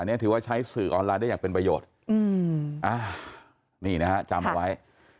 อันนี้ถือว่าใช้สื่อออนไลน์ได้อย่างเป็นประโยชน์นี่นะฮะจำเอาไว้